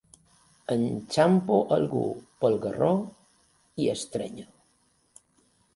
Enxampo algú pel garró i estrenyo.